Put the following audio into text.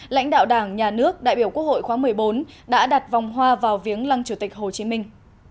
lãnh đạo đảng nhà nước đại biểu quốc hội khóa một mươi bốn đã đặt vòng hoa vào viếng lăng chủ tịch hồ chí minh